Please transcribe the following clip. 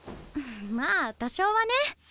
まあ多少はね。